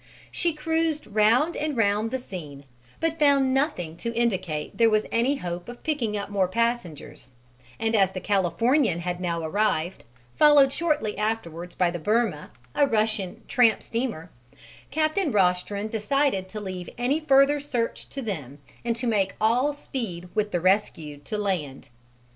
She cruised round and round the scene, but found nothing to indicate there was any hope of picking up more passengers; and as the Californian had now arrived, followed shortly afterwards by the Birma, a Russian tramp steamer, Captain Rostron decided to leave any further search to them and to make all speed with the rescued to land.